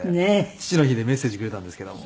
父の日にメッセージくれたんですけども。